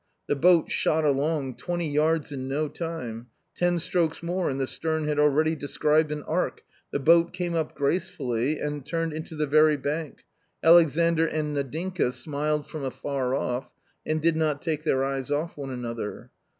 The boat shot along, twenty yards in no time ! Ten strokes more, and the stern had already described an arc, the boat came up gracefully and turned into the very bank — Alexandr and Nadinka smiled from afar off and did not take their eyes off one another.